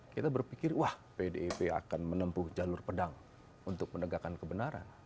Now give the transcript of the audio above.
kita berpikir wah pdip akan menempuh jalur pedang untuk menegakkan kebenaran